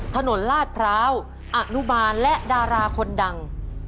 ลาดพร้าวอนุบาลและดาราคนดัง